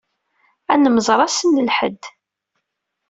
Ad nemmẓer ass n lḥedd.